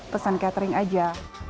pesan catering aja